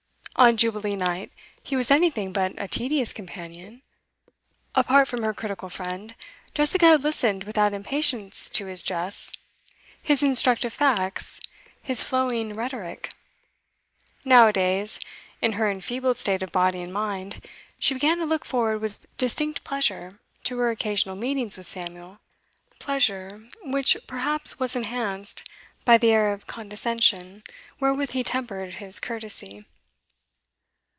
On Jubilee night he was anything but a tedious companion; apart from her critical friend, Jessica had listened without impatience to his jests, his instructive facts, his flowing rhetoric. Now a days, in her enfeebled state of body and mind, she began to look forward with distinct pleasure to her occasional meetings with Samuel, pleasure which perhaps was enhanced by the air of condescension wherewith he tempered his courtesy.